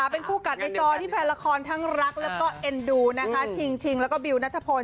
เป็นคู่กัดในตอนที่แฟนราคอนทั้งรักเอ็นดูชิงชิงแล้วก็บิวนัทธพล